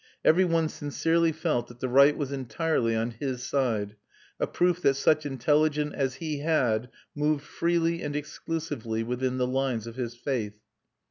Every one sincerely felt that the right was entirely on his side, a proof that such intelligence as he had moved freely and exclusively within the lines of his faith.